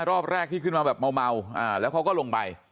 รอบแรกที่ขึ้นมาแบบเมาแล้วเขาก็ลงไป